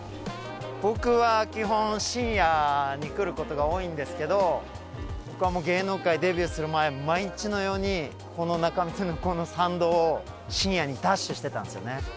僕は基本深夜に来ることが多いんですけどここは芸能界デビューする前毎日のようにこの仲見世のこの参道を深夜にダッシュしてたんすよね。